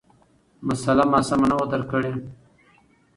مسأله ما سمه نه وه درک کړې،